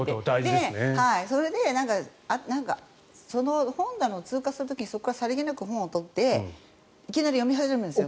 それでその本棚を通過する時にそこからさりげなく本を取っていきなり読み始めるんです。